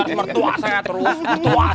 kenapa mertua saya terus